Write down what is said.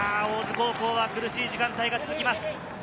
大津高校は苦しい時間帯が続きます。